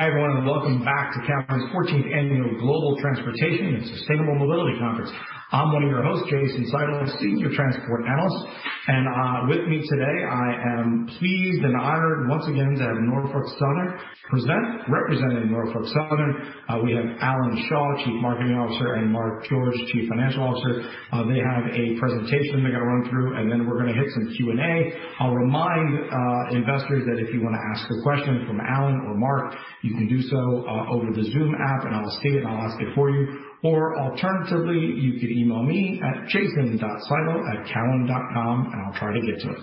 Hi everyone, and welcome back to California's 14th Annual Global Transportation and Sustainable Mobility Conference. I'm one of your hosts, Jason Seidl, a Senior Transport Analyst. With me today, I am pleased and honored once again to have Norfolk Southern present. Representing Norfolk Southern, we have Alan Shaw, Chief Marketing Officer, and Mark George, Chief Financial Officer. They have a presentation they're going to run through, and then we're going to hit some Q&A. I'll remind investors that if you want to ask a question from Alan or Mark, you can do so over the Zoom app, and I'll see it and I'll ask it for you. Alternatively, you could email me at jason.seidl@cowen.com, and I'll try to get to it.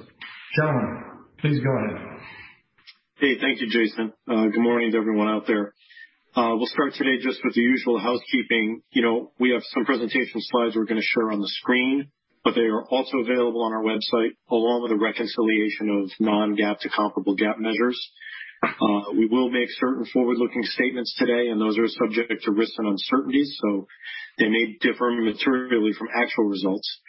Gentlemen, please go ahead. Hey, thank you, Jason. Good morning to everyone out there. We'll start today just with the usual housekeeping. You know, we have some presentation slides we're going to share on the screen, but they are also available on our website along with a reconciliation of non-GAAP to comparable GAAP measures. We will make certain forward-looking statements today, and those are subject to risks and uncertainties, so they may differ materially from actual results.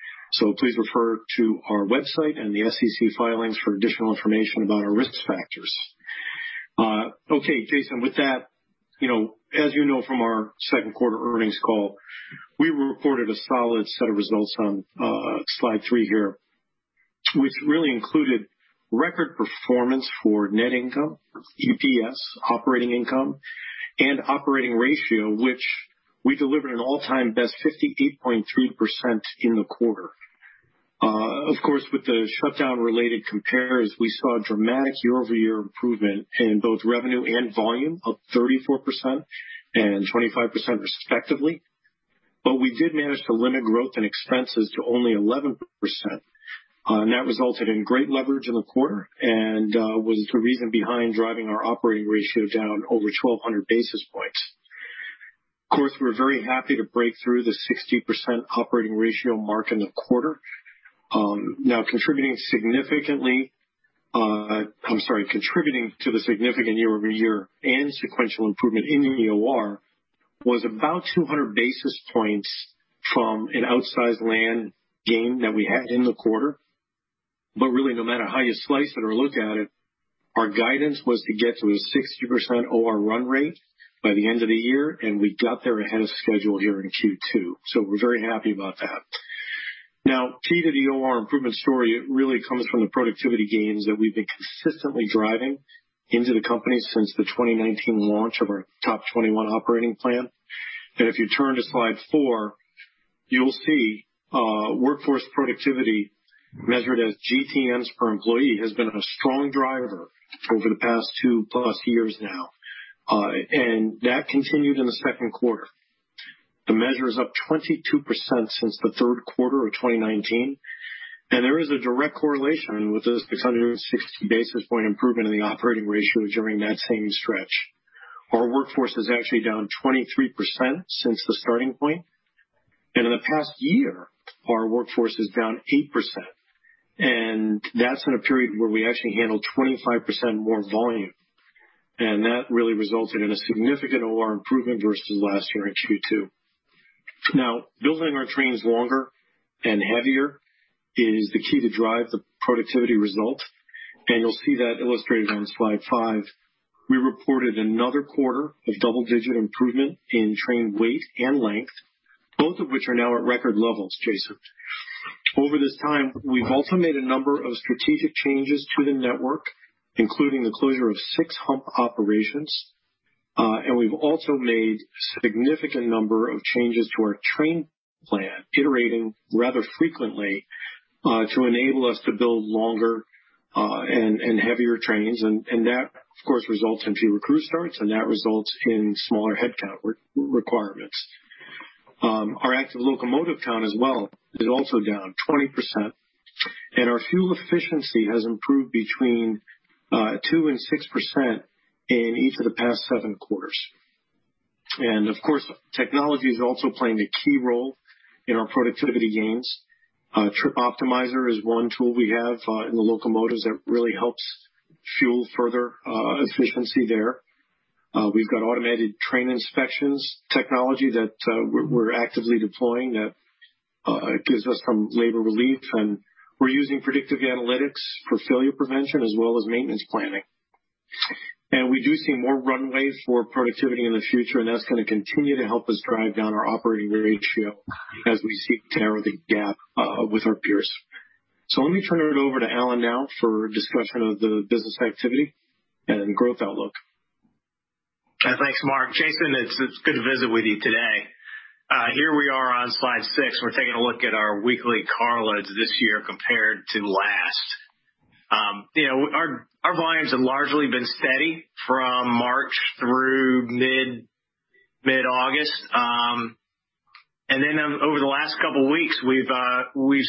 Please refer to our website and the SEC filings for additional information about our risk factors. Okay, Jason, with that, you know, as you know from our second quarter earnings call, we reported a solid set of results on slide three here, which really included record performance for net income, EPS, operating income, and operating ratio, which we delivered an all-time best 58.3% in the quarter. Of course, with the shutdown-related comparisons, we saw a dramatic year-over-year improvement in both revenue and volume of 34% and 25% respectively. We did manage to limit growth in expenses to only 11%. That resulted in great leverage in the quarter and was the reason behind driving our operating ratio down over 1,200 basis points. We were very happy to break through the 60% operating ratio mark in the quarter. Contributing to the significant year-over-year and sequential improvement in the OR was about 200 basis points from an outsized land gain that we had in the quarter. Really, no matter how you slice it or look at it, our guidance was to get to a 60% OR run rate by the end of the year, and we got there ahead of schedule here in Q2. We are very happy about that. Key to the OR improvement story really comes from the productivity gains that we've been consistently driving into the company since the 2019 launch of our Top 21 operating plan. If you turn to slide four, you'll see workforce productivity measured as GTMs per employee has been a strong driver over the past 2+ years now. That continued in the second quarter. The measure is up 22% since the third quarter of 2019. There is a direct correlation with the 660 basis point improvement in the operating ratio during that same stretch. Our workforce is actually down 23% since the starting point. In the past year, our workforce is down 8%. That's in a period where we actually handled 25% more volume. That really resulted in a significant OR improvement versus last year in Q2. Now, building our trains longer and heavier is the key to drive the productivity result. You will see that illustrated on slide five. We reported another quarter of double-digit improvement in train weight and length, both of which are now at record levels, Jason. Over this time, we have also made a number of strategic changes to the network, including the closure of six hump operations. We have also made a significant number of changes to our train plan, iterating rather frequently to enable us to build longer and heavier trains. That, of course, results in fewer crew starts, and that results in smaller headcount requirements. Our active locomotive count as well is also down 20%. Our fuel efficiency has improved between 2% and 6% in each of the past seven quarters. Of course, technology is also playing a key role in our productivity gains. Trip Optimizer is one tool we have in the locomotives that really helps fuel further efficiency there. We've got automated train inspections technology that we're actively deploying that gives us some labor relief. We're using predictive analytics for failure prevention as well as maintenance planning. We do see more runway for productivity in the future, and that's going to continue to help us drive down our operating ratio as we seek to narrow the gap with our peers. Let me turn it over to Alan now for discussion of the business activity and growth outlook. Thanks, Mark. Jason, it's good to visit with you today. Here we are on slide six. We're taking a look at our weekly car loads this year compared to last. You know, our volumes have largely been steady from March through mid-August. Over the last couple of weeks, we've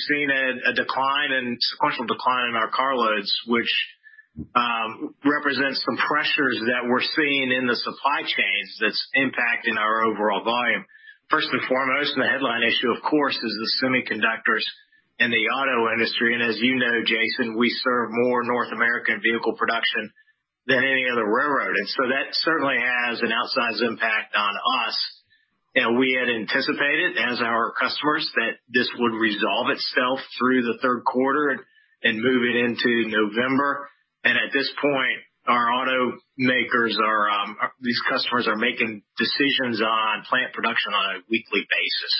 seen a decline and sequential decline in our car loads, which represents some pressures that we're seeing in the supply chains that's impacting our overall volume. First and foremost, the headline issue, of course, is the semiconductors and the auto industry. As you know, Jason, we serve more North American vehicle production than any other railroad. That certainly has an outsized impact on us. We had anticipated as our customers that this would resolve itself through the third quarter and move it into November. At this point, our automakers, these customers, are making decisions on plant production on a weekly basis.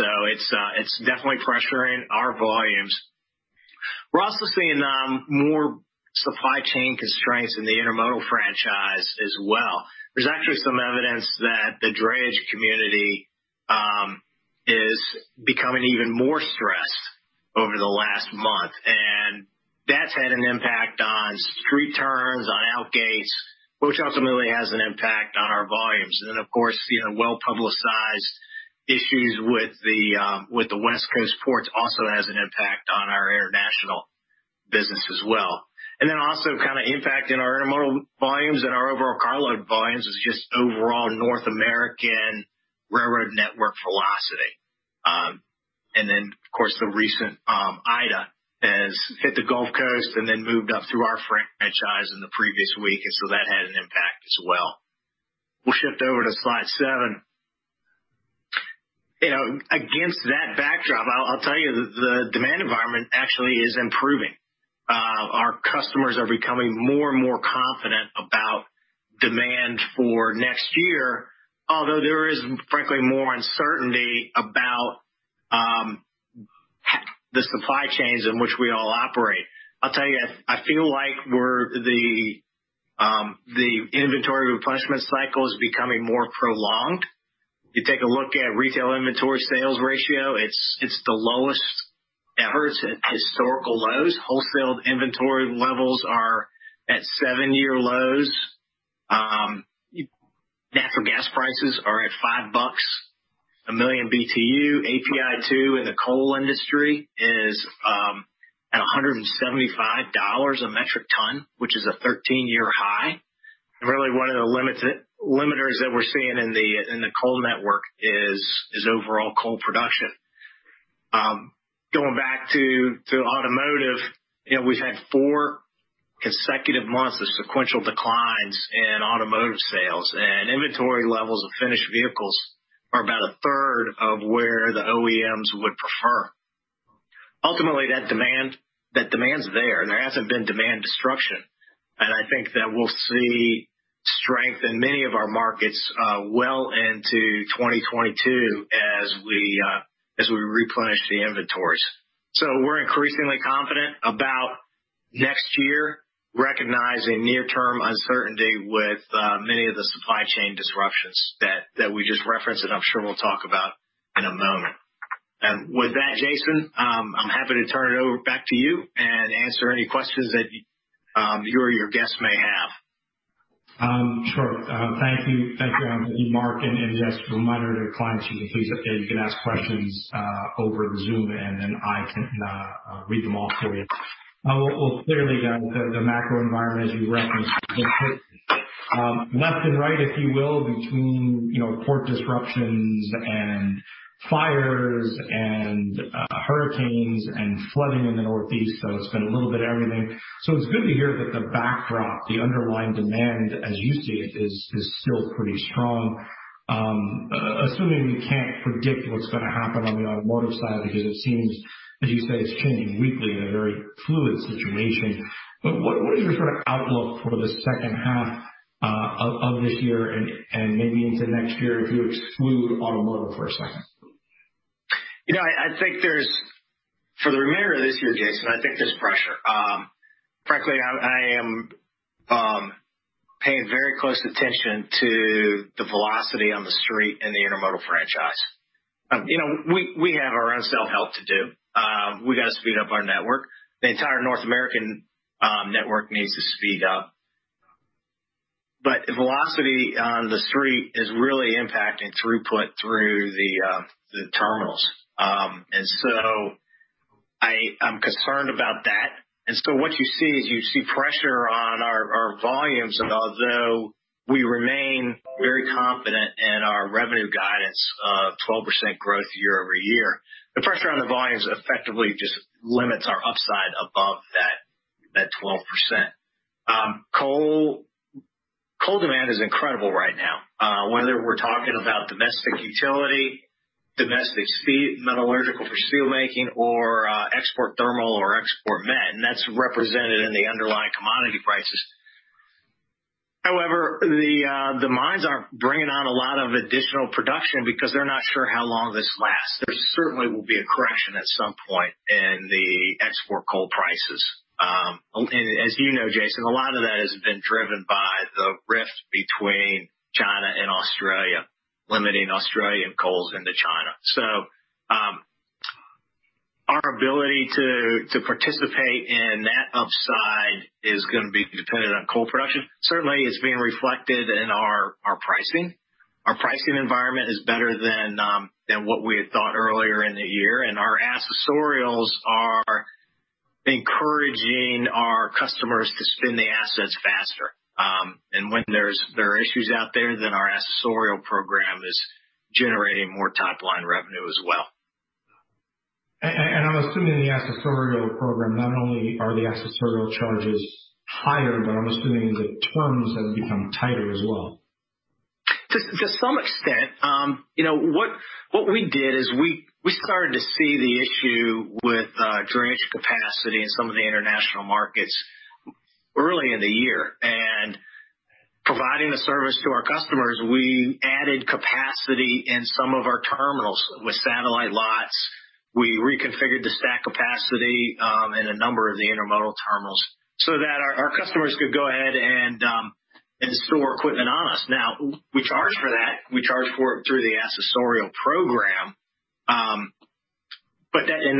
It is definitely pressuring our volumes. We are also seeing more supply chain constraints in the intermodal franchise as well. There is actually some evidence that the drayage community is becoming even more stressed over the last month. That has had an impact on street turns, on outgates, which ultimately has an impact on our volumes. Of course, you know, well-publicized issues with the West Coast ports also have an impact on our international business as well. Also kind of impacting our intermodal volumes and our overall car load volumes is just overall North American railroad network velocity. Of course, the recent Ida has hit the Gulf Coast and then moved up through our franchise in the previous week. That had an impact as well. We'll shift over to slide seven. You know, against that backdrop, I'll tell you the demand environment actually is improving. Our customers are becoming more and more confident about demand for next year, although there is, frankly, more uncertainty about the supply chains in which we all operate. I'll tell you, I feel like the inventory replenishment cycle is becoming more prolonged. You take a look at retail inventory sales ratio, it's the lowest ever, it's at historical lows. Wholesale inventory levels are at seven-year lows. Natural gas prices are at $5 a million BTU. API2 in the coal industry is at $175 a metric ton, which is a 13-year high. Really, one of the limiters that we're seeing in the coal network is overall coal production. Going back to automotive, you know, we've had four consecutive months of sequential declines in automotive sales. Inventory levels of finished vehicles are about a third of where the OEMs would prefer. Ultimately, that demand's there. There hasn't been demand destruction. I think that we'll see strength in many of our markets well into 2022 as we replenish the inventories. We are increasingly confident about next year, recognizing near-term uncertainty with many of the supply chain disruptions that we just referenced, and I'm sure we'll talk about in a moment. With that, Jason, I'm happy to turn it over back to you and answer any questions that you or your guests may have. Sure. Thank you, Mark. Remind our clients, you can ask questions over the Zoom, and then I can read them off for you. Clearly, the macro environment, as you referenced, has been hit left and right, if you will, between, you know, port disruptions and fires and hurricanes and flooding in the Northeast. It has been a little bit of everything. It is good to hear that the backdrop, the underlying demand, as you see it, is still pretty strong. Assuming we cannot predict what is going to happen on the automotive side, because it seems, as you say, it is changing weekly in a very fluid situation. What is your sort of outlook for the second half of this year and maybe into next year if you exclude automotive for a second? You know, I think there's, for the remainder of this year, Jason, I think there's pressure. Frankly, I am paying very close attention to the velocity on the street in the intermodal franchise. You know, we have our own self-help to do. We got to speed up our network. The entire North American network needs to speed up. Velocity on the street is really impacting throughput through the terminals. I am concerned about that. What you see is you see pressure on our volumes, although we remain very confident in our revenue guidance of 12% growth year-over-year. The pressure on the volumes effectively just limits our upside above that 12%. Coal demand is incredible right now, whether we're talking about domestic utility, domestic steel, metallurgical for steelmaking, or export thermal or export met, and that's represented in the underlying commodity prices. However, the mines aren't bringing on a lot of additional production because they're not sure how long this lasts. There certainly will be a correction at some point in the export coal prices. As you know, Jason, a lot of that has been driven by the rift between China and Australia limiting Australian coals into China. Our ability to participate in that upside is going to be dependent on coal production. Certainly, it's being reflected in our pricing. Our pricing environment is better than what we had thought earlier in the year. Our accessorials are encouraging our customers to spend the assets faster. When there are issues out there, our accessorial program is generating more top-line revenue as well. I'm assuming the accessorial program, not only are the accessorial charges higher, but I'm assuming the terms have become tighter as well. To some extent, you know, what we did is we started to see the issue with drayage capacity in some of the international markets early in the year. Providing the service to our customers, we added capacity in some of our terminals with satellite lots. We reconfigured the stack capacity in a number of the intermodal terminals so that our customers could go ahead and store equipment on us. Now, we charge for that. We charge for it through the accessorial program.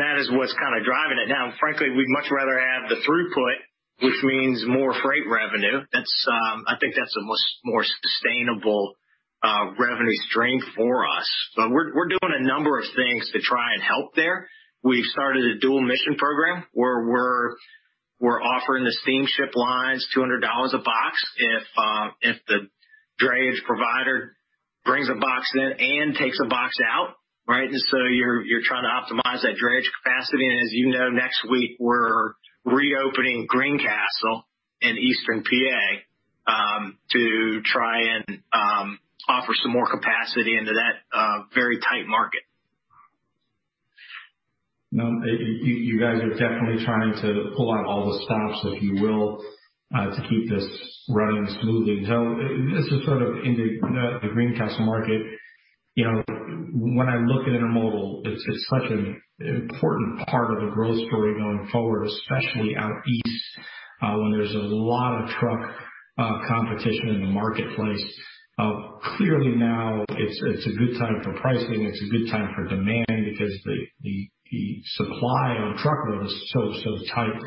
That is what's kind of driving it. Frankly, we'd much rather have the throughput, which means more freight revenue. I think that's a more sustainable revenue stream for us. We're doing a number of things to try and help there. We've started a dual-mission program where we're offering the steamship lines $200 a box if the drayage provider brings a box in and takes a box out, right? You know, next week, we're reopening Greencastle in Eastern PA to try and offer some more capacity into that very tight market. Now, you guys are definitely trying to pull out all the stops, if you will, to keep this running smoothly. This is sort of the Greencastle market. You know, when I look at intermodal, it's such an important part of the growth story going forward, especially out east when there's a lot of truck competition in the marketplace. Clearly now, it's a good time for pricing. It's a good time for demand because the supply on truckload is so, so tight.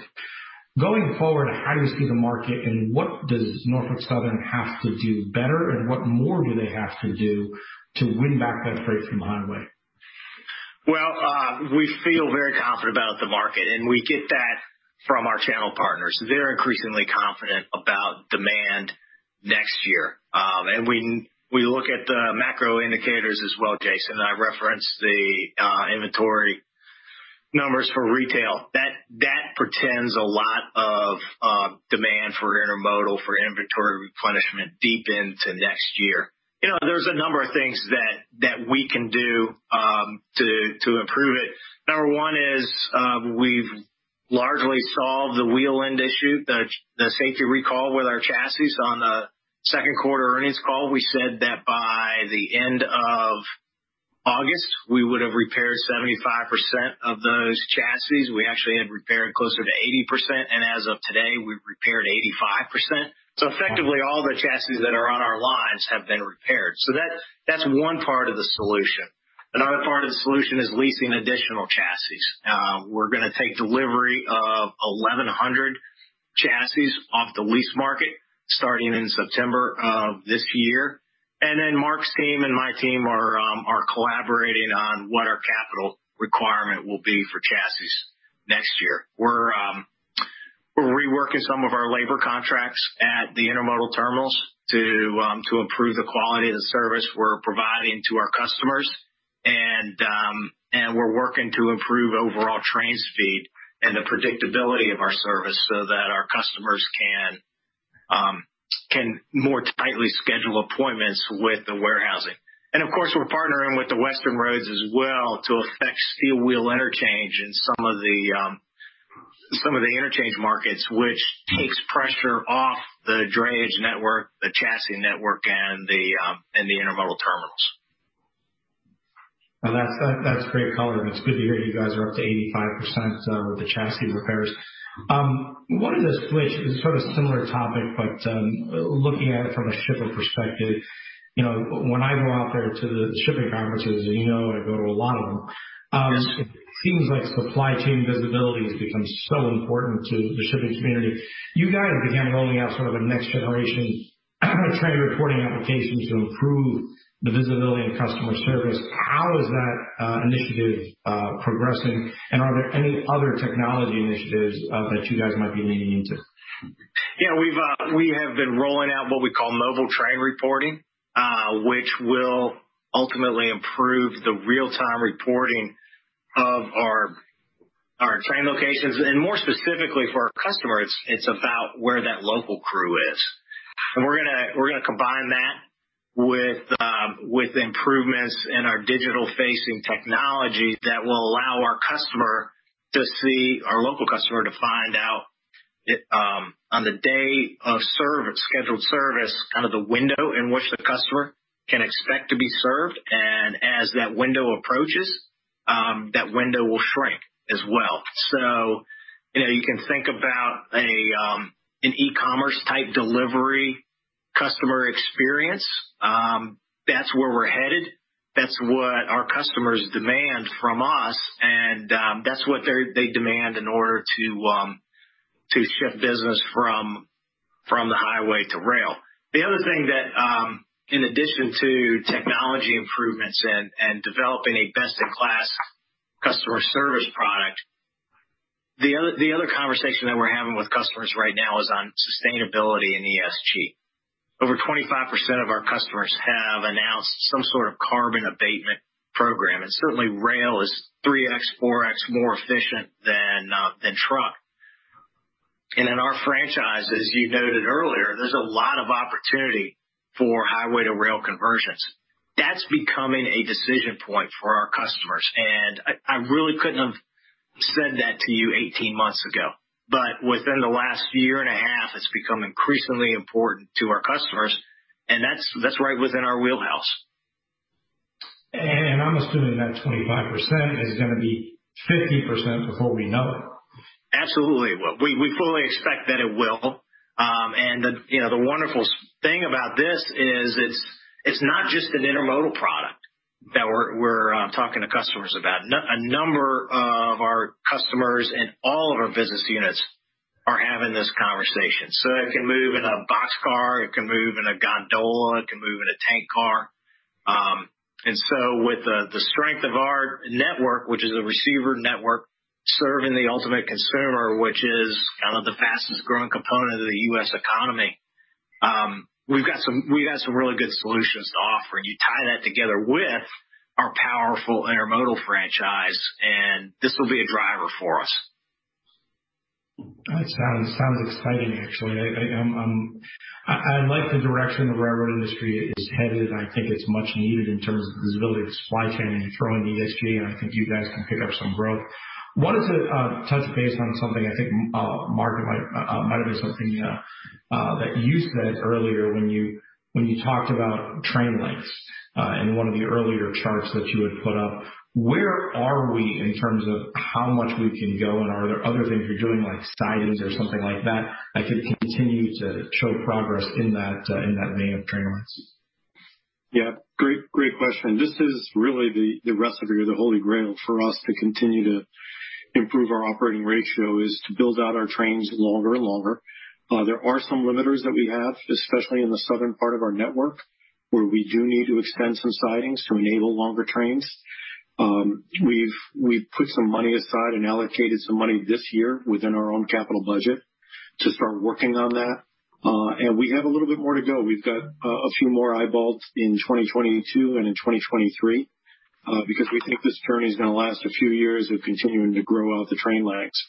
Going forward, how do you see the market and what does Norfolk Southern have to do better and what more do they have to do to win back that freight from the highway? We feel very confident about the market, and we get that from our channel partners. They're increasingly confident about demand next year. We look at the macro indicators as well, Jason. I referenced the inventory numbers for retail. That portends a lot of demand for intermodal, for inventory replenishment deep into next year. You know, there's a number of things that we can do to improve it. Number one is we've largely solved the wheel end issue, the safety recall with our chassis. On the second quarter earnings call, we said that by the end of August, we would have repaired 75% of those chassis. We actually had repaired closer to 80%. As of today, we've repaired 85%. Effectively, all the chassis that are on our lines have been repaired. That's one part of the solution. Another part of the solution is leasing additional chassis. We're going to take delivery of 1,100 chassis off the lease market starting in September of this year. Mark's team and my team are collaborating on what our capital requirement will be for chassis next year. We're reworking some of our labor contracts at the intermodal terminals to improve the quality of the service we're providing to our customers. We're working to improve overall train speed and the predictability of our service so that our customers can more tightly schedule appointments with the warehousing. Of course, we're partnering with the Western Roads as well to affect steel wheel interchange in some of the interchange markets, which takes pressure off the drayage network, the chassis network, and the intermodal terminals. That's great color. It's good to hear you guys are up to 85% with the chassis repairs. I wanted to switch, sort of similar topic, but looking at it from a shipper perspective. You know, when I go out there to the shipping conferences, as you know, I go to a lot of them. It seems like supply chain visibility has become so important to the shipping community. You guys began rolling out sort of a next-generation tray reporting application to improve the visibility and customer service. How is that initiative progressing? Are there any other technology initiatives that you guys might be leaning into? Yeah, we have been rolling out what we call mobile tray reporting, which will ultimately improve the real-time reporting of our train locations. More specifically for our customers, it's about where that local crew is. We are going to combine that with improvements in our digital-facing technology that will allow our customer to see, our local customer, to find out on the day of scheduled service, kind of the window in which the customer can expect to be served. As that window approaches, that window will shrink as well. You can think about an e-commerce-type delivery customer experience. That is where we are headed. That is what our customers demand from us. That is what they demand in order to shift business from the highway to rail. The other thing that, in addition to technology improvements and developing a best-in-class customer service product, the other conversation that we're having with customers right now is on sustainability and ESG. Over 25% of our customers have announced some sort of carbon abatement program. Rail is 3x, 4x more efficient than truck. In our franchises, you noted earlier, there is a lot of opportunity for highway-to-rail conversions. That is becoming a decision point for our customers. I really could not have said that to you 18 months ago. Within the last year and a half, it has become increasingly important to our customers. That is right within our wheelhouse. I'm assuming that 25% is going to be 50% before we know it. Absolutely. We fully expect that it will. The wonderful thing about this is it's not just an intermodal product that we're talking to customers about. A number of our customers and all of our business units are having this conversation. It can move in a boxcar. It can move in a gondola. It can move in a tank car. With the strength of our network, which is a receiver network serving the ultimate consumer, which is kind of the fastest-growing component of the U.S. economy, we've got some really good solutions to offer. You tie that together with our powerful intermodal franchise. This will be a driver for us. That sounds exciting, actually. I like the direction the railroad industry is headed. I think it's much needed in terms of the visibility of the supply chain and throwing ESG. I think you guys can pick up some growth. I wanted to touch base on something I think, Mark, it might have been something that you said earlier when you talked about train lengths in one of the earlier charts that you had put up. Where are we in terms of how much we can go? Are there other things you're doing, like sidings or something like that, that could continue to show progress in that vein of train lengths? Yeah, great question. This is really the recipe or the Holy Grail for us to continue to improve our operating ratio is to build out our trains longer and longer. There are some limiters that we have, especially in the southern part of our network, where we do need to extend some sidings to enable longer trains. We've put some money aside and allocated some money this year within our own capital budget to start working on that. We have a little bit more to go. We've got a few more eyeballs in 2022 and in 2023 because we think this journey is going to last a few years of continuing to grow out the train lengths.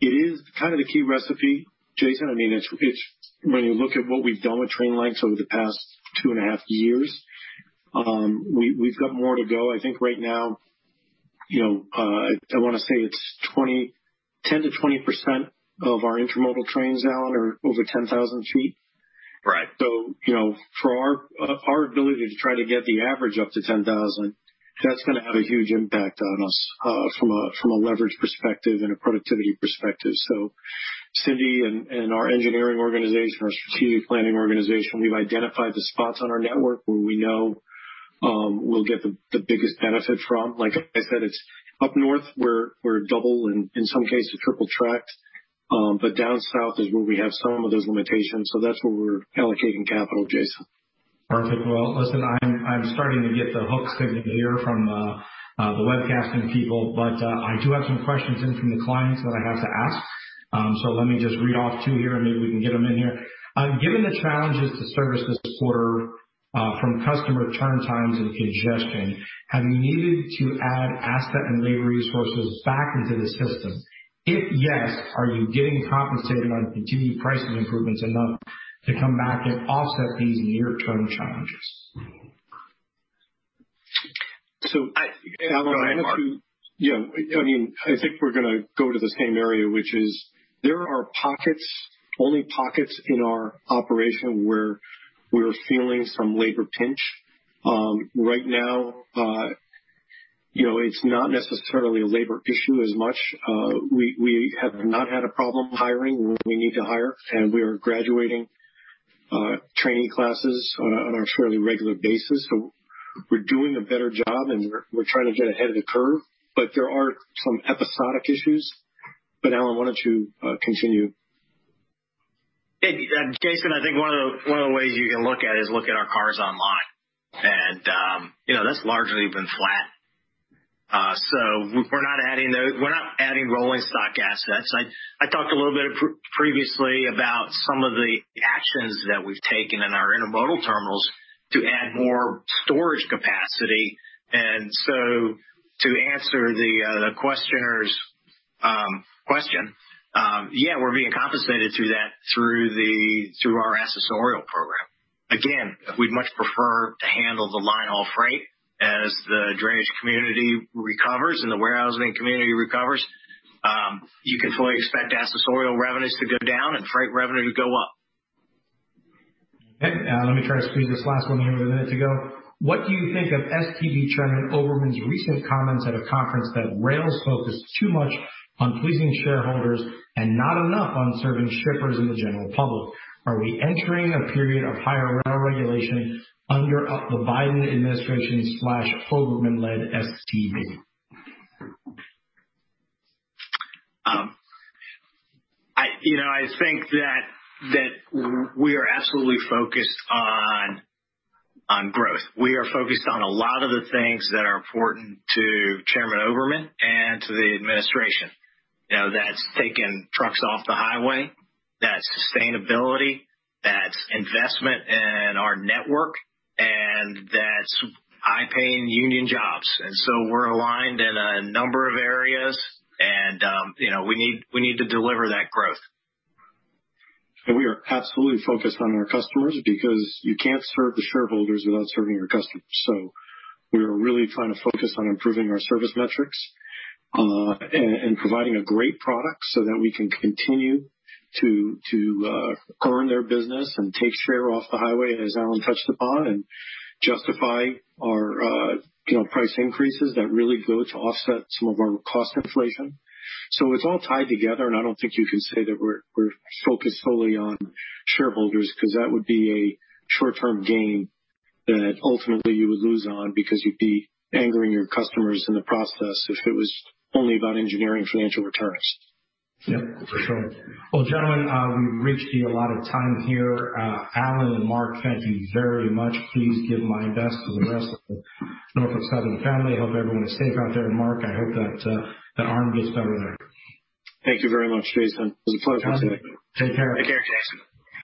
It is kind of the key recipe, Jason. I mean, when you look at what we've done with train lengths over the past two and a half years, we've got more to go. I think right now, you know, I want to say it's 10%-20% of our intermodal trains out are over 10,000 ft. Right. For our ability to try to get the average up to 10,000 ft, that's going to have a huge impact on us from a leverage perspective and a productivity perspective. Cindy and our engineering organization, our strategic planning organization, we've identified the spots on our network where we know we'll get the biggest benefit from. Like I said, it's up north where we're double and in some cases triple-tracked. Down south is where we have some of those limitations. That's where we're allocating capital, Jason. Perfect. Listen, I'm starting to get the hook signal here from the webcasting people. I do have some questions in from the clients that I have to ask. Let me just read off two here, and maybe we can get them in here. Given the challenges to service this quarter from customer turn times and congestion, have you needed to add asset and labor resources back into the system? If yes, are you getting compensated on continued pricing improvements enough to come back and offset these near-term challenges? Go ahead, Mark. I'll add to. Yeah, I mean, I think we're going to go to the same area, which is there are pockets, only pockets in our operation where we're feeling some labor pinch. Right now, you know, it's not necessarily a labor issue as much. We have not had a problem hiring when we need to hire. And we are graduating training classes on a fairly regular basis. So we're doing a better job, and we're trying to get ahead of the curve. There are some episodic issues. But Alan, why don't you continue? Jason, I think one of the ways you can look at it is look at our cars online. And you know, that's largely been flat. So we're not adding rolling stock assets. I talked a little bit previously about some of the actions that we've taken in our intermodal terminals to add more storage capacity. To answer the questioner's question, yeah, we're being compensated through that through our accessorial program. Again, we'd much prefer to handle the linehaul freight as the drayage community recovers and the warehousing community recovers. You can fully expect accessorial revenues to go down and freight revenue to go up. Okay. Let me try to squeeze this last one here with a minute to go. What do you think of STB Chairman Oberman's recent comments at a conference that rails focused too much on pleasing shareholders and not enough on serving shippers and the general public? Are we entering a period of higher rail regulation under the Biden administration/Oberman-led STB? You know, I think that we are absolutely focused on growth. We are focused on a lot of the things that are important to Chairman Oberman and to the administration. You know, that's taking trucks off the highway. That's sustainability. That's investment in our network. That's high-paying union jobs. We are aligned in a number of areas. We need to deliver that growth. We are absolutely focused on our customers because you can't serve the shareholders without serving your customers. We are really trying to focus on improving our service metrics and providing a great product so that we can continue to earn their business and take share off the highway, as Alan touched upon, and justify our price increases that really go to offset some of our cost inflation. It is all tied together. I don't think you can say that we're focused solely on shareholders because that would be a short-term gain that ultimately you would lose on because you'd be angering your customers in the process if it was only about engineering financial returns. Yep, for sure. Gentlemen, we've reached the allotted time here. Alan and Mark, thank you very much. Please give my best to the rest of the Norfolk Southern family. Hope everyone is safe out there. Mark, I hope that arm gets better there. Thank you very much, Jason. It was a pleasure today. Take care. Take care, Jason.